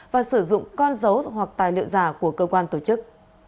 và sử dụng con dấu hoặc tài liệu giả của cơ quan tổ chức